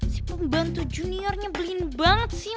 si pembantu juniornya belin banget sih